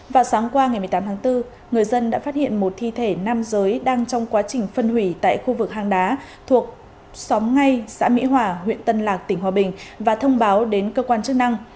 vào sáng qua ngày một mươi tám tháng bốn người dân đã phát hiện một thi thể nam giới đang trong quá trình phân hủy tại khu vực hang đá thuộc xóm ngay xã mỹ hòa huyện tân lạc tỉnh hòa bình và thông báo đến cơ quan chức năng